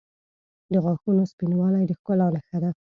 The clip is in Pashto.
• د غاښونو سپینوالی د ښکلا نښه ده.